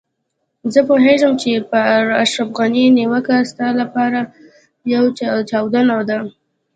زه پوهېدم چې پر اشرف غني نيوکه ستا لپاره يوه چاودنه ده.